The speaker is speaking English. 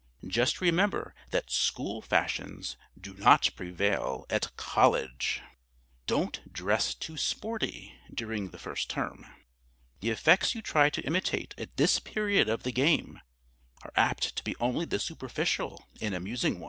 Just remember that School fashions do not prevail at College. [Sidenote: THE "SPORTY" DRESSER] Don't dress too "sporty," during the first term. The effects you try to imitate at this period of the game are apt to be only the superficial and amusing ones.